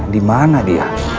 di mana dia